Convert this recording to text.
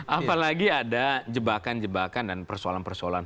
apalagi ada jebakan jebakan dan persoalan persoalan